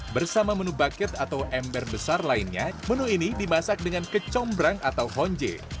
bersama menu bucket atau ember besar lainnya menu ini dimasak dengan kecombrang atau honje